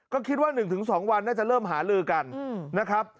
ก็คิดว่า๑๒วันน่าจะเริ่มหาลือกันนะครับ